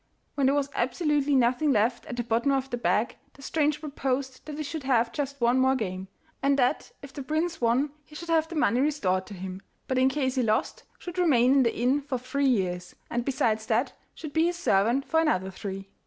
When there was absolutely nothing left at the bottom of the bag, the stranger proposed that they should have just one more game, and that if the prince won he should have the money restored to him, but in case he lost, should remain in the inn for three years, and besides that should be his servant for another three.